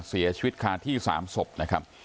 เสียชีวิตคาที่๓ศพนะครับ